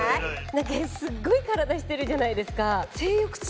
なんかすごい体してるじゃないですか。